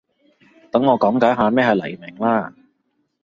等我講解下咩係黎明啦